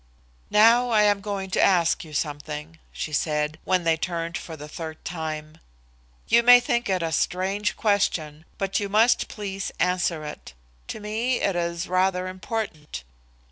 "Now I am going to ask you something," she said, when they turned for the third time. "You may think it a strange question, but you must please answer it. To me it is rather important.